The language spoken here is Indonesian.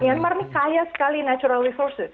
myanmar ini kaya sekali natural resources